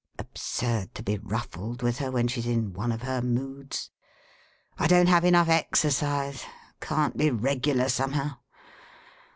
Absurd to be ruffled with her when she's in one of her moods. I don't have enough exercise. Can't be regular, somehow.